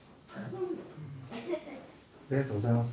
ありがとうございます。